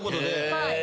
はい。